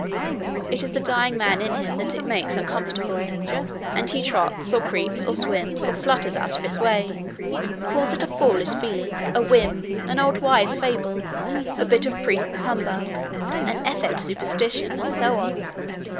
It is the dying man in him that it makes uncomfortable, and he trots, or creeps, or swims, or flutters out of its way calls it a foolish feeling, a whim, an old wives' fable, a bit of priests' humbug, an effete superstition, and so on.'